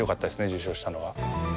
受賞したのは。